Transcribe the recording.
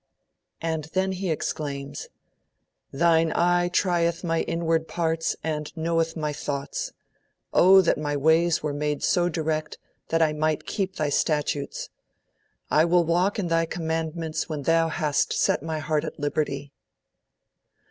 And then he exclaims: 'Thine eye trieth my inward parts, and knoweth my thoughts ... Oh that my ways were made so direct that I might keep Thy statutes. I will walk in Thy Commandments when Thou hast set my heart at liberty.'